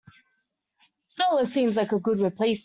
Solar seems like a good replacement.